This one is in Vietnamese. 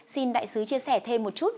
xin đại sứ chia sẻ thêm một chút